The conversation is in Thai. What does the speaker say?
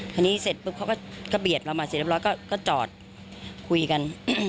เสร็จปุ๊บเขาก็เบียดเรามาเสร็จเรียบร้อยก็จอดคุยกัน